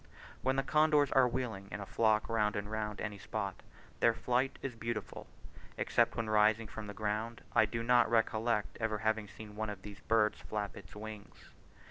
When the condors are wheeling in a flock round and round any spot, their flight is beautiful. Except when rising from the ground, I do not recollect ever having seen one of these birds flap its wings.